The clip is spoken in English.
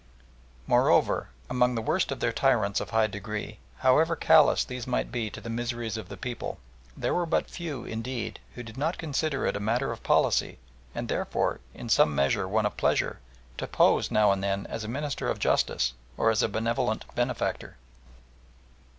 Moreover, among the worst of their tyrants of high degree, however callous these might be to the miseries of the people, there were but few, indeed, who did not consider it a matter of policy, and therefore in some measure one of pleasure, to pose now and then as a minister of justice, or as a benevolent benefactor.